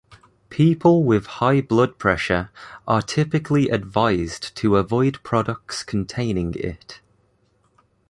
People with high blood pressure are typically advised to avoid products containing it.